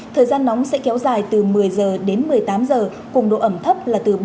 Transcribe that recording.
thời gian nóng sẽ kéo dài từ một mươi giờ đến một mươi tám giờ cùng độ ẩm thấp